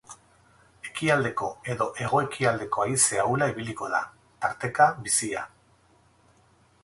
Ekialdeko edo hego-ekialdeko haize ahula ibiliko da, tarteka bizia.